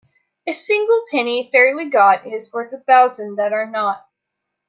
A single penny fairly got is worth a thousand that are not.